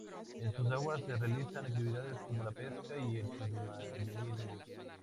En sus aguas se realizan actividades como la pesca, y el submarinismo.